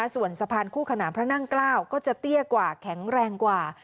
ส่วนสะพานคู่ขนานพระนั่งเกล้าก็จะเตี้ยกว่าแข็งแรงกว่า